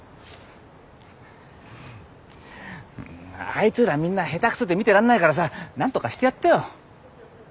あいつらみんな下手くそで見てらんないからさ何とかしてやってよ。